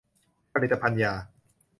ผลิตภัณฑ์ยา